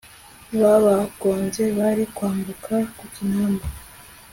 babagonze Bari kwambuka kukinamba